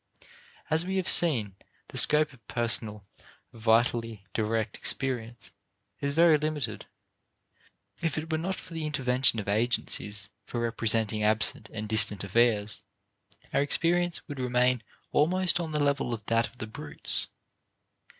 As we have seen, the scope of personal, vitally direct experience is very limited. If it were not for the intervention of agencies for representing absent and distant affairs, our experience would remain almost on the level of that of the brutes.